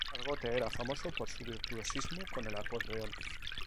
Argote era famoso por su virtuosismo con el acordeón.